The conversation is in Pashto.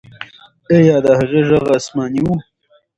آیا د هغې ږغ آسماني و؟